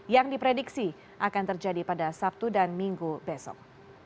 yang diprediksi akan terjadi pada sabtu dan minggu besok